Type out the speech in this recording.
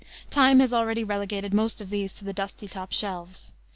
Time has already relegated most of these to the dusty top shelves.